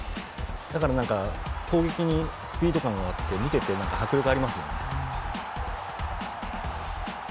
だからなんか攻撃にスピード感があって見ていて迫力がありますよね。